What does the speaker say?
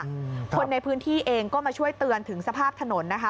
คนในพื้นที่เองก็มาช่วยเตือนถึงสภาพถนนนะคะ